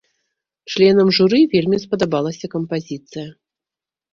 Членам журы вельмі спадабалася кампазіцыя.